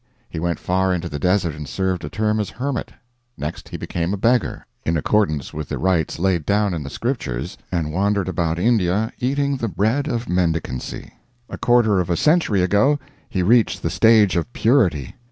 He went far into the desert and served a term as hermit. Next, he became a beggar, "in accordance with the rites laid down in the Scriptures," and wandered about India eating the bread of mendicancy. A quarter of a century ago he reached the stage of purity.